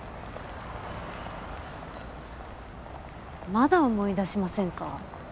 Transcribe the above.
まだ思い出しませんか？